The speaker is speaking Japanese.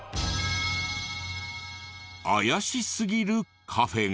怪しすぎるカフェが。